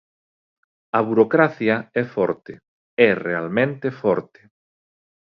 A burocracia é forte, é realmente forte.